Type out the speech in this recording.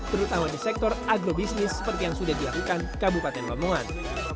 terutama di sektor agrobisnis seperti yang sudah dilakukan kabupaten lamongan